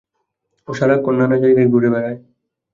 ও সারাক্ষণ নানা জায়গায় ঘুরে বেড়ায়।